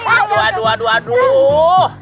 aduh aduh aduh